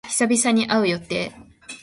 久々に会う予定。